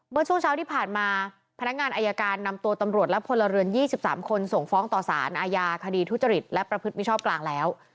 เมื่อช่วงเช้าที่ผ่านมาพนักงานอายการนำตัวตำรวจและพลเรือน๒๓คนส่งฟ้องต่อสารอาญาคดีทุจริตและประพฤติมิชอบกลางแล้ว